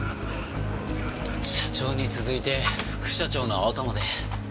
社長に続いて副社長の青田まで。